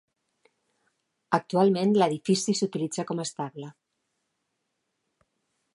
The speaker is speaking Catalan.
Actualment l'edifici s'utilitza com a estable.